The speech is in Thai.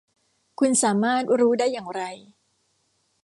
คุณสามารถรู้ได้อย่างไร